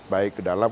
baik ke dalam